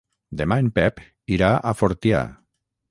Demà en Pep irà a Fortià.